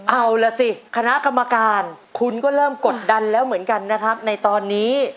เอาล่ะสิคณะกรรมการคุณก็เริ่มกดดันแล้วเหมือนกันนะครับในตอนนี้